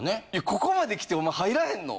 ここまで来てお前入らへんの？